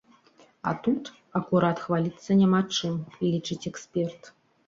А тут, акурат, хваліцца няма чым, лічыць эксперт.